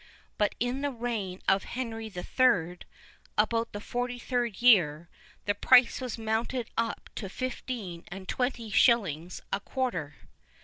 [II 41] But in the reign of Henry III., about the 43rd year, the price was mounted up to fifteen and twenty shillings a quarter.